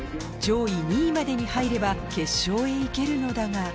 上位２位までに入れば、決勝へ行けるのだが。